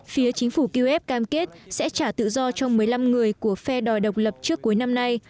phía chính phủ kiev cam kết sẽ trả tự do cho một mươi năm người của phe đòi độc lập trước cuối năm nay